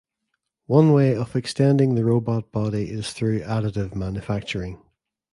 One way of extending the robot body is through additive manufacturing.